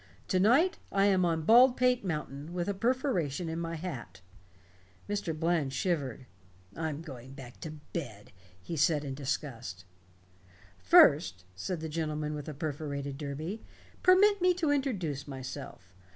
To night I am on Baldpate Mountain, with a perforation in my hat." Mr. Bland shivered. "I'm going back to bed," he said in disgust. "First," went on the gentleman with the perforated derby, "permit me to introduce myself.